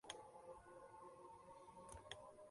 أنا في عالم مثالي.